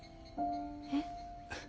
えっ。